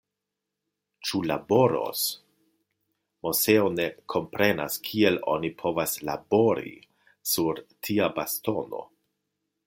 Ĉu laboros? Moseo ne komprenas kiel oni povas "labori" sur tia bastono.